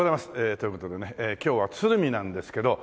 という事でね今日は鶴見なんですけど。